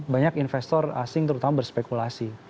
banyak investor asing terutama berspekulasi